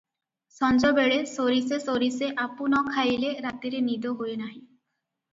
ସଞ୍ଜବେଳେ ସୋରିଷେ ସୋରିଷେ ଆପୁ ନ ଖାଇଲେ ରାତିରେ ନିଦ ହୁଏ ନାହିଁ ।